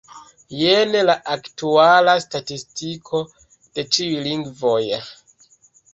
Jen la aktuala statistiko de ĉiuj lingvoj.